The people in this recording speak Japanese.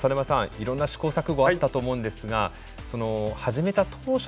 いろんな試行錯誤あったと思うんですが始めた当初ですね